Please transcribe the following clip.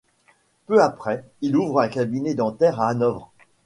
Peu après, il ouvre un cabinet dentaire à Hanovre.